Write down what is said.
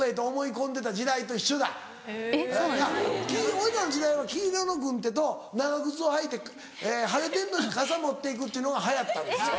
俺らの時代は黄色の軍手と長靴を履いて晴れてんのに傘持って行くっていうのが流行ったんですよ。